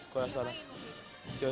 kalau tidak salah